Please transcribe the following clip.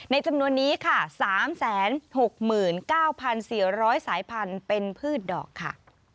จำนวนนี้ค่ะ๓๖๙๔๐๐สายพันธุ์เป็นพืชดอกค่ะ